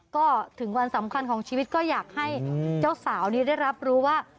ก็ถึงวันสำคัญของชีวิตก็อยากให้เจ้าสาวนี้ได้รับรู้ว่า